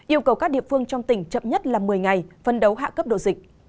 yêu cầu các địa phương trong tỉnh chậm nhất là một mươi ngày phân đấu hạ cấp độ dịch